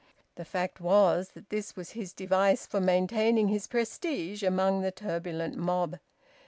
The fact was that this was his device for maintaining his prestige among the turbulent mob.